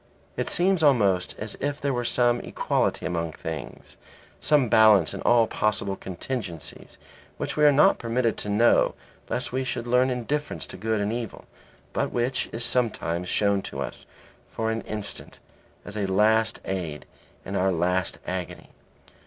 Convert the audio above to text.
It seems almost as if there were some equality among things, some balance in all possible contingencies which we are not permitted to know lest we should learn indifference to good and evil, but which is sometimes shown to us for an instant as a last aid in our last agony.